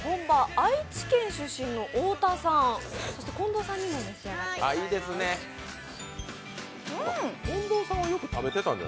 愛知県出身の太田さんそして近藤さんにも召し上がってもらいます。